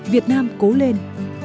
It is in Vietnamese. việt nam cố lên